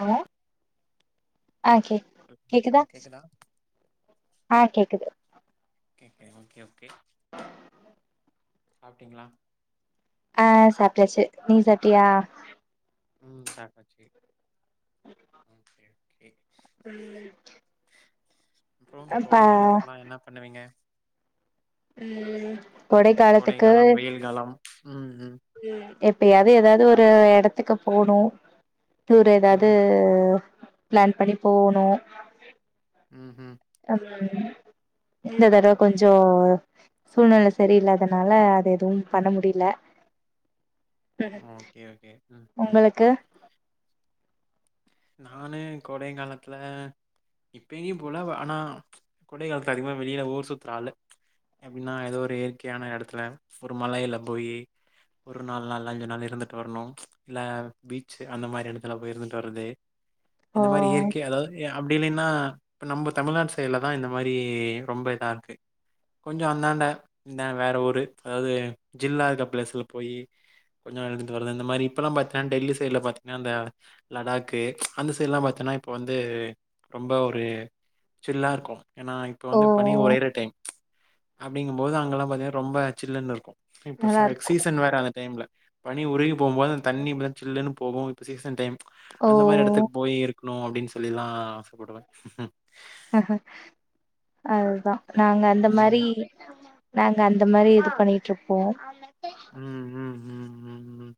Hello ஆ கேக் கேக்குதா ஆ கேக்குது ஓகே ஓகே ஓகே ஓகே சாப்ட்டீங்களா ஆ சாப்ட்டாச்சு நீ சாப்ட்டியா ம் சாப்டாச்சு ஓகே ஓகே ம் அப்றோ கோடை காலத்துக்கெலா என்ன பண்ணுவீங்க ம் கோடை காாலத்துக்கு நலம் ம் ம் ம் எப்பயாவது எதாவது ஒரு எடத்துக்கு போணு டூர் ஏதாவது ம் பிளான் பண்ணி போகணு ம் ம் ம் இந்த தடவ கொஞ்சோ சூழ்நில சரியில்லாதனால அது எதுவு பண்ண முடியல ம் ஓகே ஓகே ம் ம் உங்களுக்கு நானு கோடை காலத்தில இப்பதிக்கு போல ஆனா ச் கோடை காலத்துல அதிகமா வெளியில ஊர் சுத்துற ஆளு ச் எப்டின்னா ஏதோ ஒரு இயற்கையான எடத்துல ஒரு மலையில போயி ஒரு நாளு நாள் அஞ்சு நாள் இருந்துட்டு வரணு ப்ச் இல்ல பீச் அந்த மாரி எடத்துல போய் இருந்து திட்டுவரது ஓ இந்த மாரி இயற்கை அதாவது அப்டி இல்லன்னா இப்ப நம்ம தமிழ்நாட்டு சைட்ல தா இந்த மாரி ரொம்ப இதா இருக்கு கொஞ்சோ அந்தாண்ட இந்த வேற ஊர் அதாவது ஜில்லா இருக்க பிளேஸ்ல போய் கொஞ்சோ அழுந்துட்டு வருது இந்த மாரி இப்பெல்லா பாத்தீங்கன்னா டெல்லி சைடுல பாத்திங்கன்னா அந்த லடாக்கு ச் அந்த சைடலா பாத்தன்னா இப்போ வந்து ரொம்ப ஒரு சில்லா இருக்கு ஏன்னா இப்போ ஓ வந்து பணி ஒரையிற டைம் ச் அப்டிங்குபோது அங்கெல்லா பாத்திங்கனா ரொம்ப சில்லன்னு இருக்கு இப்ப நல்லா இருக்கு சீசன் வேற அந்த டைம்ல பனி உருகி போகுபோது அந்த தண்ணி இப்டி தா சில்லுன்னு போகு இப்ப சீசன் டைம் ச் ஓ அந்த மாரி எடத்துக்கு போய் இருக்குக்கும் நோ அப்டின்னு சொல்லிதா ஆசபடுவே அதுதா நாங்க அந்த ம். மாரி நாங்க அந்த மாரி இது பண்ணிட்டு இருப்போ ம் ம் ம் ம் ம்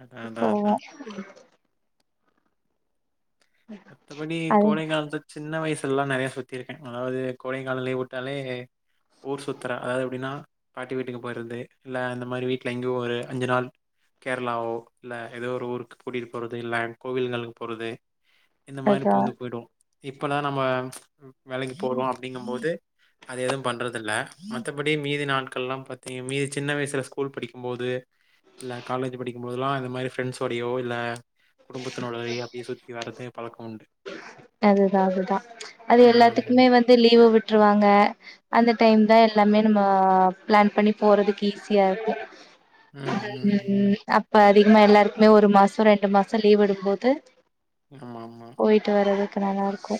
அதான், அதான், போவோ அதான். மத்த படி அது கோடை காலத்து சின்ன வயசுலல்லா நெறையா சுத்திருக்கே அதாவது கோடை கால லிவ் விட்டாலே ஊர் சுத்துர அதாவது எப்டின்னா பாட்டி வீட்டுக்கு போருது இல்ல அந்த மாதிரி வீட்டுல எங்கேயோ ஒரு அஞ்சு நாள் கேரளாவோ இல்ல ஏதோ ஒரு ஊருக்கு கூட்டிட்டு போறது இல்ல கோவில்களுக்கு போறது இந்த மாரி அதா பூந்து போய்டுவோ இப்பதா நம்ம ச் வேலைக்கு போறோ அப்டிங்கு போது அது எதுவு பண்றது இல்ல மத்தபடி மீதி நாட்கள்லா பாத்தீங்க மீதி சின்ன வயசுல ஸ்கூல் படிக்கு போது இல்ல காலேஜ் படிக்கும்போதுலா இந்த மாரி ஃப்ரண்ஸ்யோடையோ இல்ல குடும்பத்தினோடயே அப்டியே சுத்தி வரதே பழக்கோ உண்டு அதுதா அதுதா அது எல்லாத்துக்குமே ம் வந்து லீவு விட்ருவாங்க அந்த டைம் தா எல்லாமே நம்ம பிளான் பண்ணி போறதுக்கு ஈஸியா இருக்கு ம் அப்ப அதிகமா எல்லாருக்குமே ஒரு மாசோ ரெண்டு மாசோ லீவ் விடும்போது ஆம்மாம்மா போயிட்டு வரதுக்கு நல்லா இருக்கு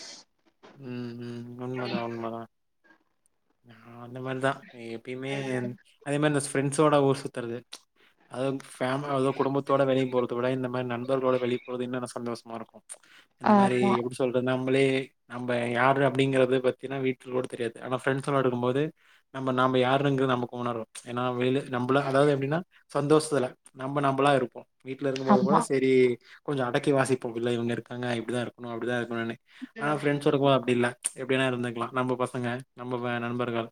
ம் ம் உண்மதா உண்மதா நா அந்த மாரிதா எப்பயுமே அதே மாரி இந்த ஃப்ரெண்ட்ஸோட ஊர் சுத்தறது ச் அது பேமா அதோ குடும்பத்தோட வெளிய போறத விட இந்த மார் நண்பர்களோட வெளிய போறது இன்னு என்ன சந்தோஷமா இருக்கு இந்த மாரி ஆமா எப்படி சொல்ற நம்பளே நம்ம யாரு அப்படிங்கறது பத்தினா வீட்டில கூட தெரியாது அனா ப்ரெண்ட்ஸ் எல்லா இருக்கும்போது நம்ம நாம்ப யாருங்கரது நமக்கு உணரு ஏன்னா வெளியில நம்மள அதாவது எப்படின்னா சந்தோஷத்துல நம்ம நம்மளா இருப்போ வீட்டுல இருக்கும்போது கூட ஆமா சரி கொஞ்சோ அடக்கி வாசிப்போ உள்ள இவங்க இருக்காங்க இப்படிதா இருக்கனு அப்படிதா இருக்கனு நெனை அனா ஃப்ரெண்ஸ் இருக்கு போது அப்டி இல்ல எப்டி வேணா இருந்துக்லா நம்ப பசங்க நம்ம நண்பர்கள்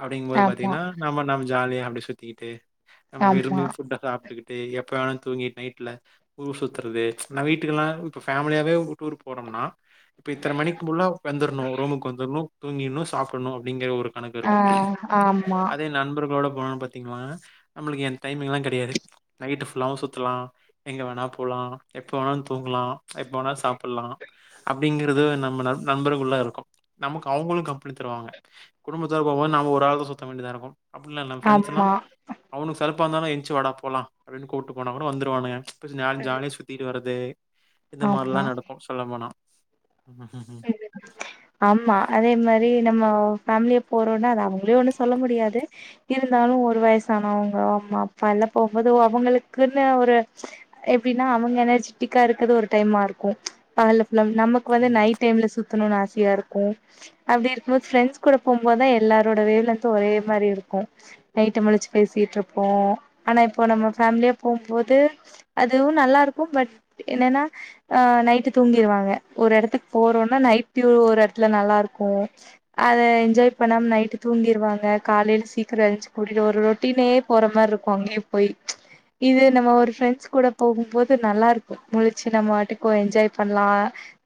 அப்படிங்கும்போது ஆமா பாத்தீன்னா நம்ம நாம் ஜாலியா அப்படி சுத்திகிட்டு நம்ம ஆமா விரும்பும் புட் சாப்பிட்டுக்கிட் டேய் எப்ப வேண்ணாலு தூங்கிட்டு நைட்ல ஊர் சுத்தறது நா வீட்டுக்கெல்லா இப்ப ஃபேமிலியாவே ஒரு டூர் போறம்னா இப்ப இத்தன மணிக்கு குள்ள வந்துர்ணு ரூமமுக்கு வந்துர்னு தூங்கீர்ணு சாப்ட்ருணு அப்படிங்கிற ஒரு கணக்கு ஆ இருக்கு ஆமா அதே நண்பர்களோட போனோ பாத்திங்கலா நம்மளுக்கு என் டைமிங்லா கெடையாது நைட்டு ஃபுல்லாவு சுத் தலா எங்க வேணா போலா எப்ப வேணாலு தூங்கலா எப்ப வேணா சாப்படலா அப்டிங்கறது நம்ம நம் நண்பருளுகுள்ள இருக்கு நமக்கு அவங்களுக்கு பண்ணிதருவாங்க குடும்பத்தோடு போம்போது நாம ஒரு ஆள் தா சுத்த வேண்டியதா இருக்கு அப்படிலல பிரின்ட்ஸ் லா ஆமா அவுனு சலுப்பாந்தாலு என்ச்சு வடா போலா அப்டின்னு கூட்டு போனா கூட வந்துருவானுங்க கொஞ்ச நேர ஜாலியா சுத் தீட்டு வரது இந்த மார்லா ஆமா நடக்கு சொல்ல போனா [inaudible] ஆம்மா அதே மாரி நம்ம ஃபேமிலிய போறோன்னா அத அவங்களே ஒண்ணு சொல்ல முடியாது இருந்தாலு ஒரு வயசானவங்க அம்மா அப்பா எல்லா போபோது அவங்களுக்குன்னு ஒரு எப்டின்னா அவங்க எனர்ஜிட்டிக்கா இருக்கது ஒரு டைமா இருக்கு பகல புல்லா நமக்கு வந்து ம். நைட் டைம்ல சுத்தணுனு ஆசையா இருக்கு அப்டி இருக்கும்போது ஃப்ரெண்ட்ஸ் கூட போம்போது தா எல்லாரோட வேவ் லந்து ஒரே மாரி இருக்கும் நைட்டு முழிச்சு பேசிட்டுருப்பபோ அனா இப்ப நம்ம ஃபேமிலியா போம்போது அதுவு நல்லா இருக்கு பட் என்னன்னா அ நைட்டு தூங்கிருவாங்க ஒரு எடத்துக்கு போறோன்னா நைட்வியூ ஒரு எடத்துல நல்லாருக்கு அத என்ஜாய் பண்ணாம நைட்டு தூங்கிருவாங்க காலைல் சீக்கரோ எளுஞ்சு கூட்டிட்டு ஒரு ரொட்டினே போற மார்ருக்கு அங்கயு போய் இது நம்ம ஒரு ஃப்ரெண்ட்ஸ் கூட போகும்போது நல்லா இருக்கு முழிச்சு நம்ம வாட்டுக்கு ஒரு என்ஜாய் பண்லாம்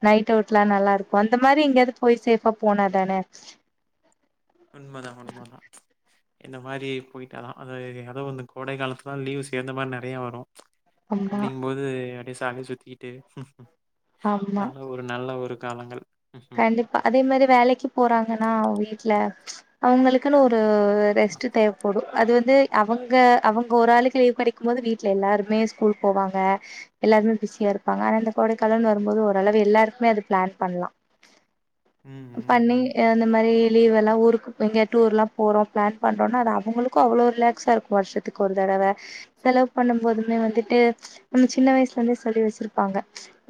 நைட் அவுட்லா நல்லா இருக்கு அந்த மாரி எங்கயாவது போய் சேபா போனாதானே உண்மதா உண்மதா இந்த மாரி போய்ட்டாலா அது எதோ வந்து கோடை காலத்துலா லீவு சேந்த மார் நறையா வரு ஆமா அப்படிங்கு போது அப்டிசாலியா சுத்திக்கிட்டு ஆம்மா அதெல்லாம் ஒரு நல்ல ஒரு காலங்கள் ம்ஹ்ம். கண்டிப்பா அதே மரி வேலைக்கு போறாங்கனா வீட்டுல அவங்களுக்குனு ஒரு ரெஸ்ட் தேவ் போடு அது வந்து அவங்க அவங்க ஒரு ஆளுக்கு லீவ் கடைக்கும் போது வீட்டுல எல்லாருமே ஸ்கூல் போவாங்க எல்லாருமே பிஸியா இருப்பாங்க ஆனா இந்த கோடைக்காலன் வரும் போது ஓரளவு எல்லாருக்குமே அது பிளான் பண்லா ம் ம், பண்ணி ம். அந்த மரி லீவெல்லா ஊருக்கு எங்க டூர்லா போறோ பிளான் பண்றோன்னா அது அவுங்ளுக்கு அவ்ளோ ரிலாக்ஸா இருக்கு வஷ்ஷதுக்கு ஒரு தடவ செலவு பண்ணும் போதுமே வந்துட்டு நம்ம சின்ன வயசுல இருந்தே சொல்லி வச்சிருப்பாங்க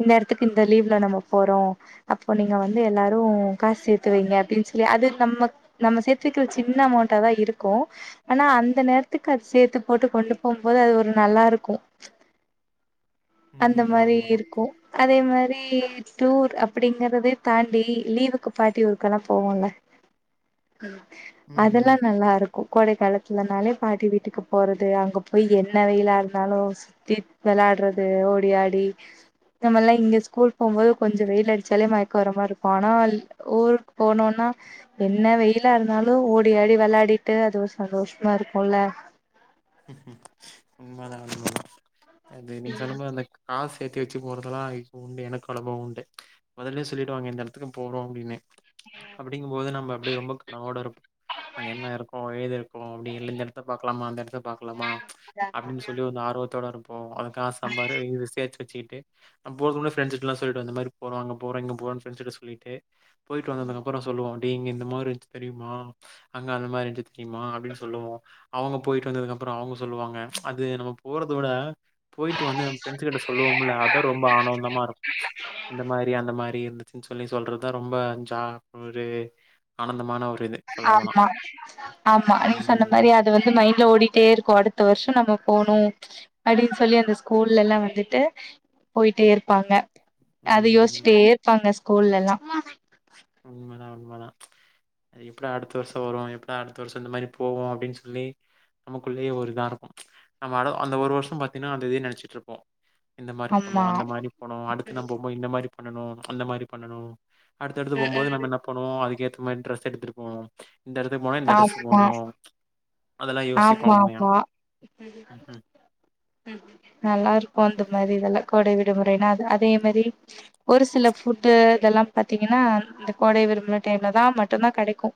இந்த எடத்துக்கு இந்த லீவ்ல நம்ம போறோ அப் இப்போ நீங்க வந்து எல்லாரும் காசு சேத்து வைங்க அப்டின் சொல்லி அது நம்மக் நம்ம சேத்து வக்கற சின்ன அமௌண்டா தா இருக்கும் ஆனா அந்த நேரத்துக்கு அது சேர்த்து போட்டு கொண்டு போம்போது அது ஒரு நல்லா இருக்கும் அந்த உண்மதான், மாரி உண்மதான். இருக்கும் அதே மாரி டூர் அப்டிங்கறதே தாண்டி லீவுக்கு பாட்டி ஊருக்கெல்லா போவோல்ல ம் அதெல்லா ம்ஹ்ம். நல்லா இருக் கோ கோடைக் காலத்துலனாலே பாட்டி வீட்டுக்கு போறது அங்க போய் என்ன வெயிலா இருந்தாலும் சு தித் வெளாறது ஓடி ஆடி நம்மல்லா இங்க ஸ்கூல் போம்போது கொஞ்ச வெயில் அடிச்சாலே மயக்க வரமாரிருக்கும் ஆனால் ஊருக் போனுனா என்ன வெயிலா இருந்தாலு ஓடிஆடி வெளாடிட்டு அது சந்தோஷ்மா இருக்குல்ல ம்ம் உண்மதா உண்மதா அது நீங்க சொன்னமரி அந்தக் காஸ் சேத்தி வச்சு போறதெலா உண்டு எனக் அனுபவம் உண்டு முதல்லே சொல்லிடுவாங்க இந்த எடத்துக்கு போனு அப்டின்னு அப்டிங்குபோது நம்ம அப்டியே ரொம்ப கனவோட இருப்போம் அங்க என்ன இருக்கு ஏதுருக்கு ஓ அப்டி இல்ல இந்த எடத்த பாக்லாமா அந்த எடத்த பாக்லாமா அப்டின் சொல்லி வந்து ஆர்வத்தோட இருப்போ அத காஸ் சம்பாரு இது சேத் வச்சுகிட்டு நா போகும்ல ஃபிரண்ட்ஸ்கிட்லா சொல்டுவ இந்த மரி போறோ அங்க போறோ இங்க போறோனு ஃபிரண்ட்ஸ் கிட்ட சொல்லிட்டு போயிட்டு வந்ததுங்கப்புறம் சொல்லுவோ இங்க இந்த மாரி இருஞ்சி தெரியுமா அங்க அந்த மாரி இருஞ்சி தெரியுமா அப்டின்னு சொல்லுவோ அவுங்க போயிட்டு வந்ததுக் அப் அப்புறம் அவுங்க சொல்லுவாங்க ம்ச் அது நம்ம போறதவுட போயிட்டு வந்து நம்ம ரெண்ட்ஸ் கிட்ட சொல்லுவோம்ல அதா ரொம்ப ஆனந்தமா இருக்கும் இந்த மாரி அந்த மாரி இருந் ச்சு சொல்லி சொல்றதுதா ரொம்ப ஜா ஒரு ஆனந்தமான ஒரு இது சொல்ல போனா ஆமா ஆமா நீங்க சொன்ன மரி ம். அது அது வந்து மைண்ட்ல ஓடிட்டே இருக்கும் அடுத்த வர்ஷம் நம்ம போணு அடின் சொல்லி அந்த ஸ்கூல்ல எல்லா வந்துட்டு போயிட்டே இருப்பாங்க அத ம். யோஸ்ட்டே இருப்பாங்க ஸ்கூல்லலா உண்மதா உண்மதா அது எப்டா அடுத்த வர்சோ வரும் எப்டா அடுத்த வர்சோ இந்த மரி போவோ அப்டின் சொல்லி நமக்குள்ளே ஒரு இதா இருக்கும் நம்ம அ அந்த ஒரு வர்ஷம் பாத்தீனா அந்த இதே நினைச்சிட் இருப்போம் இந்த மாரி ஆமா போனுஅந்த மாரி போனு அடுத் நம்ம இந்த மாரி பண்ணனு அந்த மாரி பண்ணனு அடுத் எடுத்து போம்போது நம்ம என்ன பண்ணுவோ அதுக்கேத்த மரி ட்ரெஸ் எடுத்துட் போவோ இந்த எடத்துக்கு போனா இந்த ட்ரெஸ் ஆமா போட்ணு அதெல்லா யோசிப்போ ஆமா உண்மையா ஆமா ம் ம் ம் நல்லா இருக்கு அந்த மரி இதெல்லா கோடை விடுமுறைனா அதே மரி ஒரு சில ஃபுட்டு இதெல்லா பாத்தீங்கனா இந்த கோடை விடுமுறை டைம்ல தா மட்டுந்தா கெடைக்கு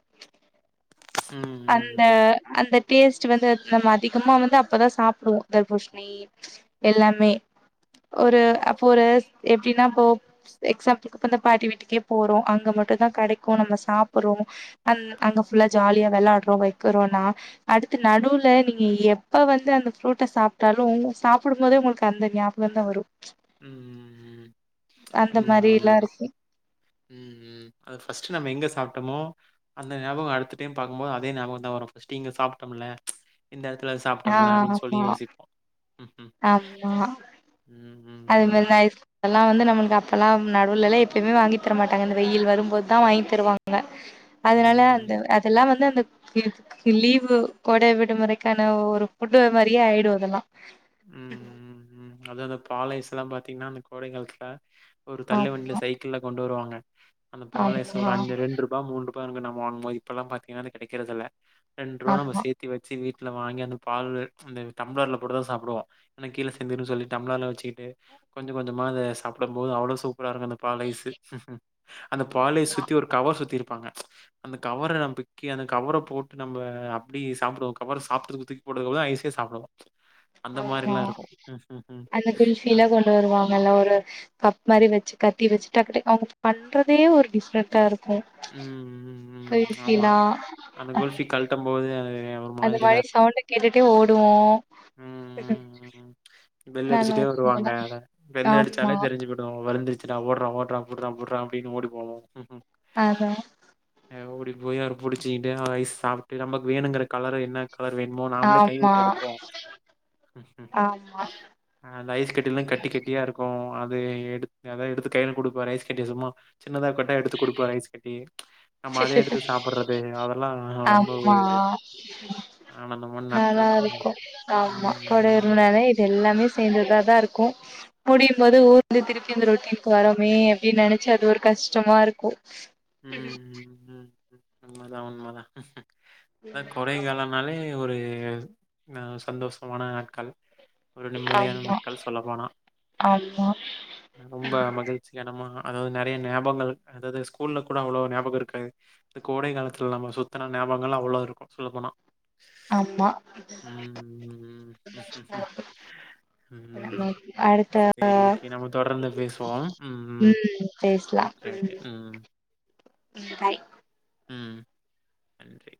ம், அந்த ம், ம். அந்த டேஸ்ட் வந்து நம்ம அதிகமா வந்து அப்பதா சாப்டுவோ தர்பூஷி னி எல்லாமே ஒரு ம், அப்போ ஒரு எப்படின்னா இப்போ எக்ஸாம்பிளுக்கு இப்ப அந்த பாட்டி வீட்டுக்கே போறோம் அங்க மட்டுந்தா கெடைக்கும் நம்ம சாப்டுறோமோ அங் அங்க ஃபுல்லா ஜாலியா விளாடுறோம் வைக்குறோனா அடுத்து நடுவுல நீங்க எப்ப வந்து அந்த ஃப்ரூட்ட சாப் ட்டாலு சாப்டும்போதே உங்களுக்கு அந்த ஞாபகம் தா வரும் ம் ம் ம் அந்த உண்மதா மாரில்லா உண்மதா இருக்கு ம் ம் அது ஃபர்ஸ்ட் நம்ம எங்க சாப்டமோ அந்த ஞாபகம் அடுத்த டைம் பாக்கும்போது அதே ஞாபகந்தா வரும் ஃபர்ஸ்ட்டு இங்க சாப்ட்டோம்ல இந்த எடத்துல சாப்டோம்ல்ல அப்படின்னு சொல்லி யோசிப்போம் ம் ம் அம்மா ம் அது மாரி ம், ம். லைஃப் அதெல்லா வந்து நம்மளுக்கு அப்பெல்லா நடுவுலல்லா எப்பயுமே வாங்கி தரமாட்டாங்க இந்த வெயில் வரும்போது தா வாங்கி தருவாங்க அதனால ம், அந்த அதெல்லா வந்து அந்த லீவு கோடை விடுமுறைக்கான ஒரு ஃபுட்டு மாரியே ஆயிடு அதெல்லாம் ம் ம் ம் அது அந்த பாலைஸ் எல்லாம் பாத்தீங்கன்னா அந்த கோடை காலத்துல ஒரு தள்ளு வண்டியில ஆமா சைக்கிள்ல கொண்டு வருவாங்க அந்த பாலைஸு ஆமா ஒரு அஞ்சு ரெண்டு ரூபா மூன்று பாருங்க நம்ம வாங்குவோம் இப்பல்லாம் பாத்தீங்கன்னா அது கிடைக்கிறது இல்ல ரெண்டு ரூபா நம்ம ஆமா சேத் த்து வச்சு வீட்டுல வாங்கி அந்த பால் அந்த டம்ளர்ல போட்டுதான் சாப்டுவோம் இல்ல கீழ சிந் திரும் சொல்லி டம்ளர்லாம் வச்சிட்டு கொஞ்சோ கொஞ்சமா அத சாப்பிடும் போது அவ்ளோ சூ ப்பரா இருக்கும் அந்த பாலைஸ்ஸு அந்த பாலைஸ் சுத்தி ஒரு கவர் சுத்தி இருப்பாங்க அந்த கவர பிக்கி அந்த கவர போட்டு நம்ம அப்படி சாப்டுவோம் கவர சாப்டது [unintelligible] ஐசை சாப்பிடனும் அந்த மாரிலாம் இருக்கும் ம்ம் உம் மிக்சியில கொண்டு வருவாங்கல்ல ஒரு கப் மாரி வச்சு கத்தி வச்சுட் டக்டக் அவுங்க பண்றதே ஒரு டிஃப்ரெண்ட்டா இருக்கும் ம். ம், ம். ஆமா. பென்சிலா அந்த [unintelligible] அந்த மாரி இருக்கும். சவுண்ட் கேட்டுட்டே ஓடுவோம் ம் ம் ம் பெல் நல்லா அடிச்சுட்டே இருக்கு வருவாங்க அதெல்லா பெல் ஆமா அடிச்சாலே தெரிஞ்சு போயிடும் வந்துச்சுடா ஓட்றா ஓட்றா புட்றா புட்றா அப்படின்னு ஓடி போவோம் அதா ஓடி போய் அவர பிடிச்சிக்கிட்டு ஐஸ் சாப்ட்டு நமக்கு வேணுங்கிற கலர என்ன கலர் வேணுமோ நாமளே கை ஆமா விட்டு எடுப்போம் ம் ம் ஆமா ஆ அந்த ஐஸ் கட்டிலா கட்டி கட்டியா இருக்கு அது எடுத் அதல்லா எடுத்து கையில குடுப்பாரு ஐஸ் கட்டிய சும்மா சின்னதா கேட்டா எடுத்து குடுப்பாரு ஐஸ் கட்டி நம்ம அத எடுத்து சாப்ட்றது அதெல்லாம் ரொம்ப ஆமா ஒரு ஆனந்தமான நல்லா நாட்கள் ம் இருக்கு ஆமா ம் கோடை விடுமுறைனாலே இது எல்லாமே சேந்ததா தா இருக்கும் முடியும்போது ஊருலிருந்து திருப்பி இந்த ரொட்டனுக்கு வரோமே அப்படின்னு நெனைச்சு அது ஒரு கஷ்டமா இருக்கு உம் உம் உம் உம் உண்மதா உண்மதா அ கோடைக்காலம் னாலே ஒரு சந்தோஷமான நாட்கள் ஒரு நிம்மதியான ஆமா நாட்கள் சொல்ல போனா ஆமா ரொம்ப மகிழ்ச்சிகரமா அதாவது நறைய நயாபங்கள் அதாவது ஸ்கூல்ல கூட அவ்ளவு ஞாபகம் இருக்காது கோடை காலத்துல நம்ம சுத்தின ஞாபங்கள்லாம் அவ்ளோ இருக்கும் சொல்ல போனா ஆமா ம் ம்‌ ம் நம்ம ம் அடுத்த செரி ஓகே நம்ம தொடர்ந்து பேசுவோம் ம் ம் ஓகே ஓகே ம் பாய் ம் நன்றி